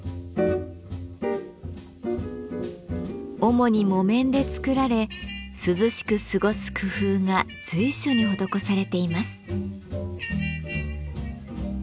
主に木綿で作られ涼しく過ごす工夫が随所に施されています。